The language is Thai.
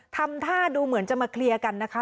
ทำท่าดูเหมือนจะมาเคลียร์กันนะคะ